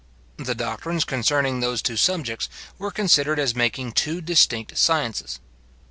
The doctrines concerning those two subjects were considered as making two distinct sciences.